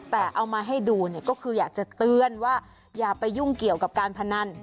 แต่เอามาให้ดูเนี่ยก็คืออยากจะเตือนว่าอย่าไปยุ่งเกี่ยวกับการพนัน